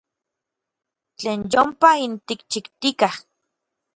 Tlen yompa n tikchijtikaj.